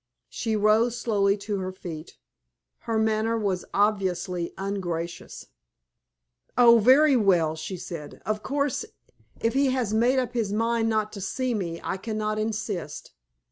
She rose slowly to her feet; her manner was obviously ungracious. "Oh, very well!" she said. "Of course if he has made up his mind not to see me, I cannot insist.